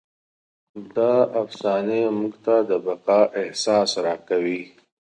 دا افسانې موږ ته د بقا احساس راکوي.